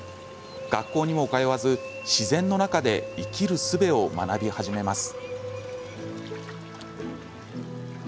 学校にも通わず自然の中で生きるすべを学び始めます。